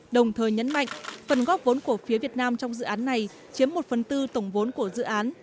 đồng thời nhấn mạnh phần góp vốn của phía việt nam trong dự án này chiếm một phần tư tổng vốn của dự án